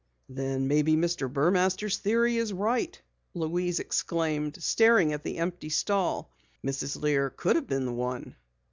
"Then maybe Mr. Burmaster's theory is right!" Louise exclaimed, staring at the empty stall. "Mrs. Lear could have been the one!"